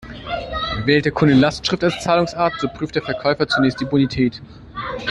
Wählt der Kunde Lastschrift als Zahlungsart, so prüft der Verkäufer zunächst die Bonität.